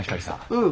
うん。